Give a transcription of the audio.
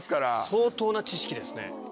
相当な知識ですね。